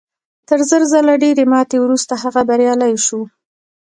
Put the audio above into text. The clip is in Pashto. تر زر ځله ډېرې ماتې وروسته هغه بریالی شو